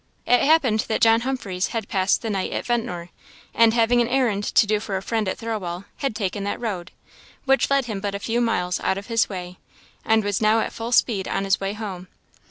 It happened that John Humphreys had passed the night at Ventnor; and having an errand to do for a friend at Thirlwall, had taken that road, which led him but a few miles out of his way, and was now at full speed on his way home.